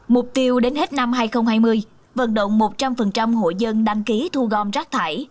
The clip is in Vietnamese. mục tiêu đến hết năm hai nghìn hai mươi vận động một trăm linh hội dân đăng ký thu gom rác thải